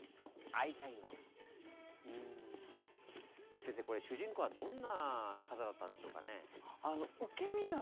先生これ主人公はどんな方だったんでしょうかね。